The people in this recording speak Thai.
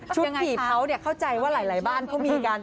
ขี่เขาเข้าใจว่าหลายบ้านเขามีการ